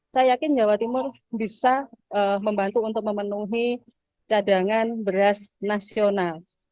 saya yakin jawa timur bisa membantu untuk memenuhi cadangan beras nasional